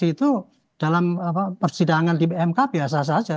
nah kalau kita mengadakan saksi itu dalam persidangan di pmk biasa saja